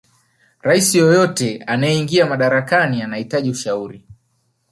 raisi yeyote anayeingia madarakani anahitaji ushauri